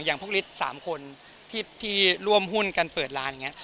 อย่างพวกฤทธิ์๓คนที่ร่วมหุ้นกันเปิดร้านอย่างนี้